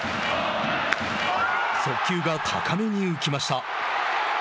速球が高めに浮きました。